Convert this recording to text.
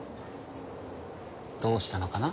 どうしたのかな？